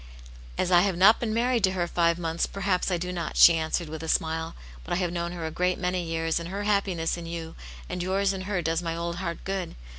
"As I have not been married to her five months, perhaps I do not," she answered, with a smile. " But I have known her a great many years, and her hap piness in you and yours in her does my old heart gooA.